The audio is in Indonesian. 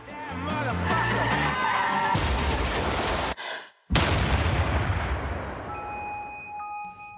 dia akan membunuh